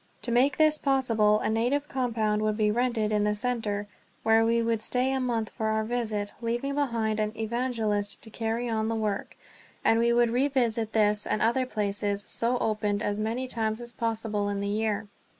To make this possible a native compound would be rented in the center, where we would stay a month for our first visit, leaving behind an evangelist to carry on the work; and we would revisit this and other places so opened as many times as possible in the year.